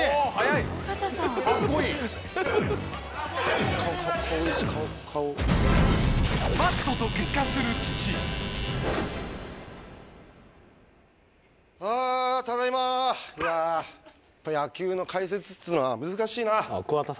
いややっぱ野球の解説っつうのは難しいな。